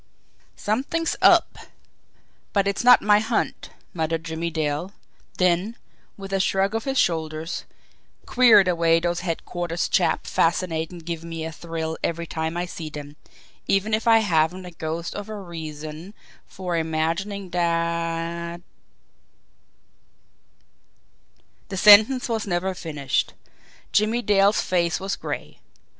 "Something up! But it's not my hunt!" muttered Jimmie Dale; then, with a shrug of his shoulders: "Queer the way those headquarters chaps fascinate and give me a thrill every time I see them, even if I haven't a ghost of a reason for imagining that " The sentence was never finished. Jimmie Dale's face was gray.